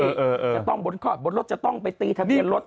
จะต้องบนคลอดบนรถจะต้องไปตีทะเบียนรถ